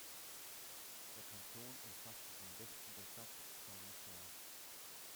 Der Kanton umfasste den Westen der Stadt Saint-Nazaire.